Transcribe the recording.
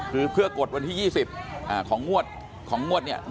คือเพื่อกดวันที่๒๐ของงวด